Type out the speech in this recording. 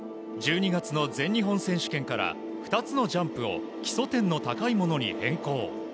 １２月の全日本選手権から、２つのジャンプを基礎点の高いものに変更。